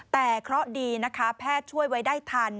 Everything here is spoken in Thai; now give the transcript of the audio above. แต่เคราะห์ดีนะคะแพทย์ช่วยไว้ได้ทัน